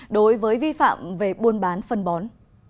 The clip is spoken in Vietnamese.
đối với vi phạm về buôn bán phân bón